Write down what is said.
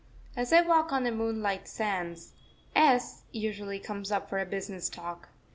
_ As I walk on the moonlit sands, S usually comes up for a business talk.